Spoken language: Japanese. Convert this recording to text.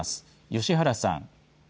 吉原さん。